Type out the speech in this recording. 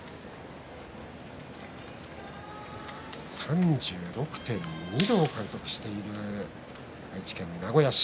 ３６．２度を観測している愛知県名古屋市。